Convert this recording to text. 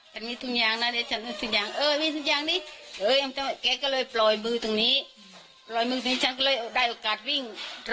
ฉันมีสุดยางนั้นฉันมีสุดยาง